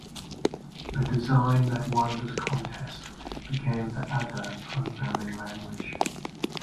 The design that won this contest became the Ada programming language.